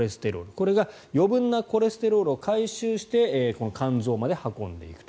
これが余分なコレステロールを回収して肝臓まで運んでいくと。